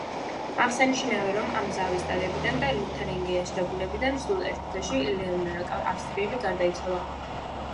აღსანიშნავია, რომ ამ ზავის დადებიდან და ლოთარინგიაში დაბრუნებიდან სულ ერთ თვეში, ელეანორა ავსტრიელი გარდაიცვალა.